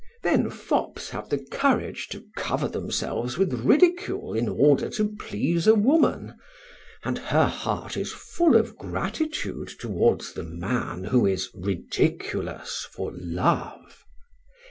Then fops have the courage to cover themselves with ridicule in order to please a woman, and her heart is full of gratitude towards the man who is ridiculous for love.